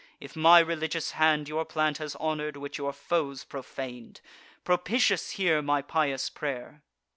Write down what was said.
If my religious hand Your plant has honour'd, which your foes profan'd, Propitious hear my pious pray'r!"